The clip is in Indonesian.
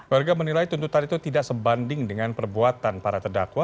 warga menilai tuntutan itu tidak sebanding dengan perbuatan para terdakwa